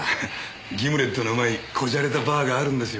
ギムレットのうまいこじゃれたバーがあるんですよ。